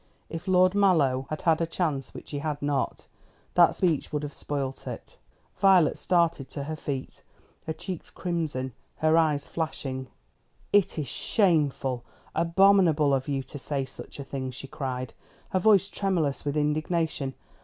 If Lord Mallow had had a chance, which he had not, that speech would have spoiled it. Violet started to her feet, her cheeks crimson, her eyes flashing. "It is shameful, abominable of you to say such a thing!" she cried, her voice tremulous with indignation.